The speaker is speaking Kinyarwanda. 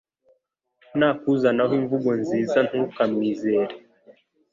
nakuzanaho imvugo nziza ntukamwizere